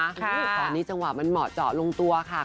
ตอนนี้จังหวะมันเหมาะเจาะลงตัวค่ะ